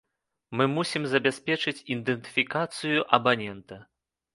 Мы мусім забяспечыць ідэнтыфікацыю абанента.